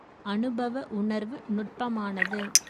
அநுபவ உணர்வு நுட்பமானது.